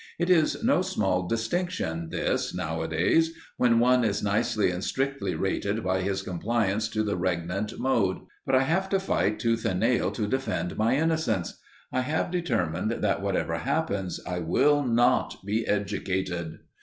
It is no small distinction this, nowadays, when one is nicely and strictly rated by his compliance to the regnant mode, but I have to fight tooth and nail to defend my innocence. I have determined that whatever happens, I will not be educated.